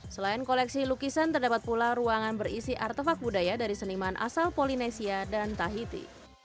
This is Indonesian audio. selain koleksi lukisan terdapat pula ruangan berisi artefak budaya dari seniman asal polinesia dan tahiti